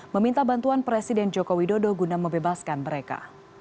meminta bantuan presiden joko widodo guna mebebaskan mereka